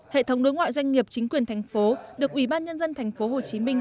hệ thống đối ngoại doanh nghiệp chính quyền thành phố được ủy ban nhân dân thành phố hồ chí minh